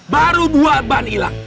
baru dua ban hilang